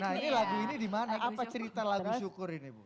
nah ini lagu ini dimana apa cerita lagu syukur ini bu